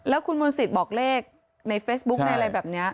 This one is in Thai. แล้วคุณมนศิษย์บอกเลขในเฟสบุ๊คอะไรแบบเนี้ย